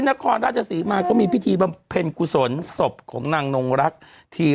นครราชศรีมาก็มีพิธีบำเพ็ญกุศลศพของนางนงรักที